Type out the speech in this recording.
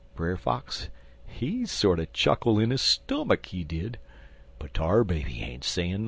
"Brer Fox, he sorter chuckle in his stummick, he did, but Tar Baby ain't sayin' nothin'.